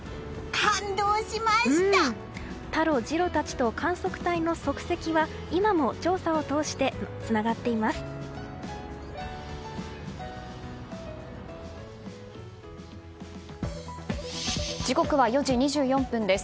タロ、ジロたちと観測隊の足跡は今も調査を通してつながっています。